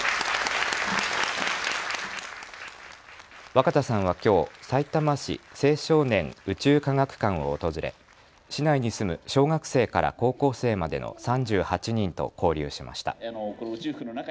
若田さんはきょう、さいたま市青少年宇宙科学館を訪れ市内に住む小学生から高校生までの３８人と交流しました。